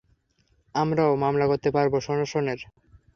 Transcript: আমরাও, মামলা করতে পারবো, শোষনের।